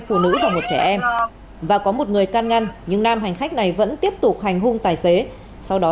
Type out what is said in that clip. phụ nữ và một trẻ em và có một người can ngăn nhưng nam hành khách này vẫn tiếp tục hành hung tài xế sau đó